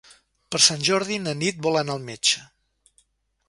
Per Sant Jordi na Nit vol anar al metge.